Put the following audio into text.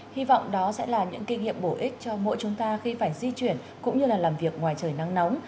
hy vọng đó sẽ là những kinh nghiệm bổ ích cho mỗi chúng ta khi phải di chuyển cũng như là làm việc ngoài trời nắng nóng